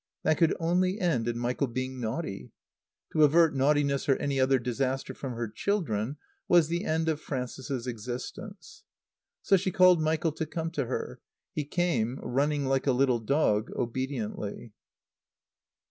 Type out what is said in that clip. That could only end in Michael being naughty. To avert naughtiness or any other disaster from her children was the end of Frances's existence. So she called Michael to come to her. He came, running like a little dog, obediently.